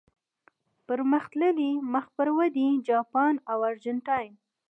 پرمختللي، مخ پر ودې، جاپان او ارجنټاین.